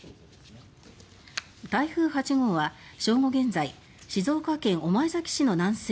台風８号は正午現在静岡県御前崎市の南西